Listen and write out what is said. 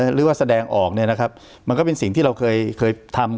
หรือว่าแสดงออกเนี่ยนะครับมันก็เป็นสิ่งที่เราเคยทำ